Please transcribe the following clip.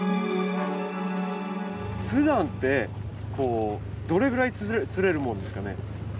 ふだんってこうどれぐらい釣れるもんですかね？